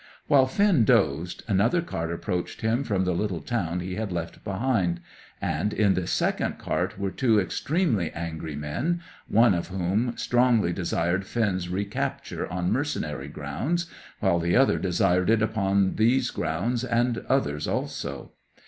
While Finn dozed, another cart approached him from the little town he had left behind, and in this second cart were two extremely angry men, one of whom strongly desired Finn's recapture on mercenary grounds, while the other desired it upon these grounds and others also.